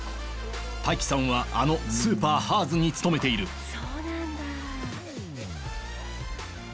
大輝さんはあのスーパー「ハーズ」に勤めているそうなんだ。